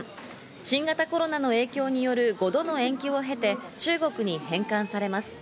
新型コロナの影響による５度の延期を経て中国に返還されます。